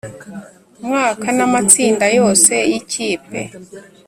mwaka na matsinda yose yikipe